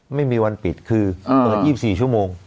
ไม่มีวันปิดคือเปิด๒๔ชั่วโมง